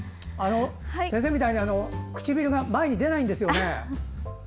先生みたいに唇が前に出ないんですよ。